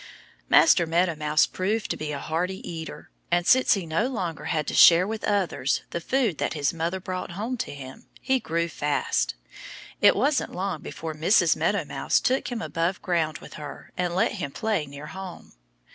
Master Meadow Mouse proved to be a hearty eater. And since he no longer had to share with others the food that his mother brought home to him, he grew fast. It wasn't long before Mrs. Meadow Mouse took him above ground with her and let him play near home.